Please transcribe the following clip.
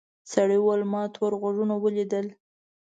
سړي وویل ما تور غوږونه ولیدل.